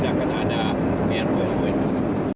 tidak akan ada yang beruntung